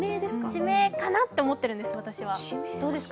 地名かなって思っているんです、私は。